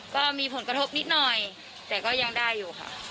ก็มีผลกระทบนิดหน่อยแต่ก็ยังได้อยู่ค่ะ